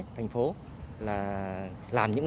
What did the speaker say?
thành phố là làm những